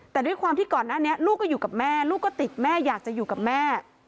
แต่ด้วยความที่ก่อนหน้านี้ลูกก็อยู่กับแม่ลูกก็ติดแม่อยากจะอยู่กับแม่